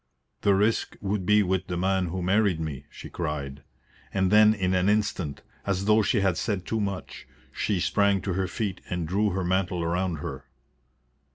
"The risk would be with the man who married me," she cried. And then in an instant, as though she had said too much, she sprang to her feet and drew her mantle round her.